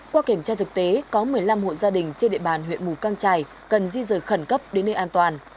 qua kiểm tra thực tế có một mươi năm hộ gia đình trên địa bàn huyện mù căng trải cần di rời khẩn cấp đến nơi an toàn